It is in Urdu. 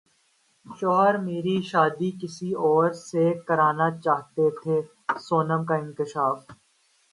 شوہر میری شادی کسی اور سے کرانا چاہتے تھے سونم کا انکشاف